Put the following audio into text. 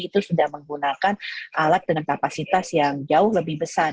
itu sudah menggunakan alat dengan kapasitas yang jauh lebih besar